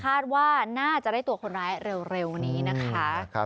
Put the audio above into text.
คาดว่าน่าจะได้ตัวคนร้ายเร็วนี้นะคะ